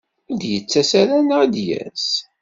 Ur d-yettas ara neɣ ad d-yas?